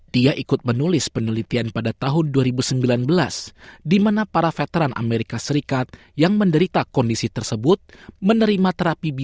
dia ikut menulis penelitian pada tahun dua ribu sembilan belas di mana para veteran amerika serikat yang menderita kondisi tersebut menerima terapi bcr